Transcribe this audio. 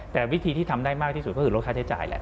แต่วิธีที่ทำได้มากที่สุดก็คือลดค่าใช้จ่ายแหละ